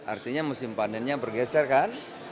artinya musim panennya bergeser kan